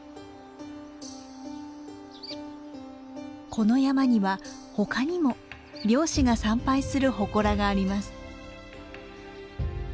この山には他にも漁師が参拝する祠があります。